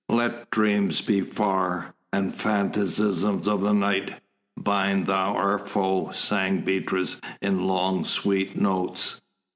"Let dreams be far, and phantasms of the night bind Thou our Foe," sang Beatrice in long, sweet notes.